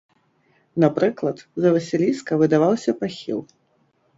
Напрыклад, за васіліска выдаваўся пахіл.